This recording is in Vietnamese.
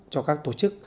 cho các tổ chức